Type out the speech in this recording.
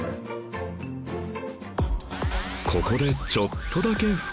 ここでちょっとだけ深掘り